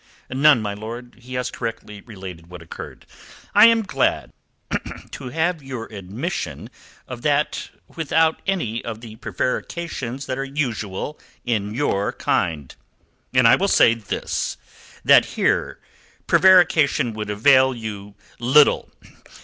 "None, my lord. He has correctly related what occurred." "I am glad to have your admission of that without any of the prevarications that are usual in your kind. And I will say this, that here prevarication would avail you little.